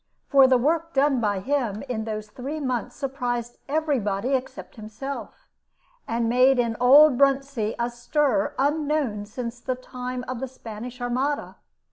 For the work done by him in those three months surprised every body except himself, and made in old Bruntsea a stir unknown since the time of the Spanish Armada.